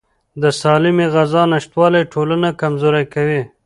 د سالمې غذا نشتوالی ټولنه کمزوري کوي.